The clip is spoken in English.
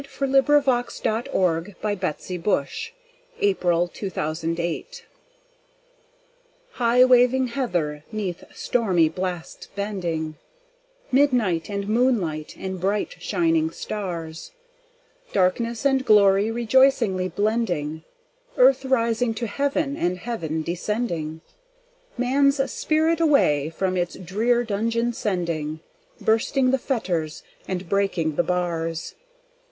Emily Brontë High waving heather 'neath stormy blasts bending HIGH waving heather 'neath stormy blasts bending, Midnight and moonlight and bright shining stars, Darkness and glory rejoicingly blending, Earth rising to heaven and heaven descending, Man's spirit away from its drear dungeon sending, Bursting the fetters and breaking the bars.